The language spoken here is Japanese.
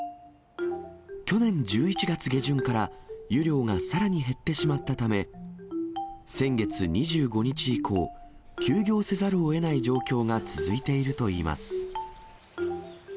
去年１１月下旬から湯量がさらに減ってしまったため、先月２５日以降、休業せざるをえない状況が続いているといいます。